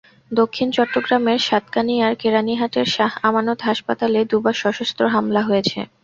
দক্ষিণ চট্টগ্রামের সাতকানিয়ার কেরানীহাটের শাহ আমানত হাসপাতালে দুবার সশস্ত্র হামলা হয়েছে।